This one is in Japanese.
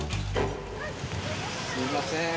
すみません。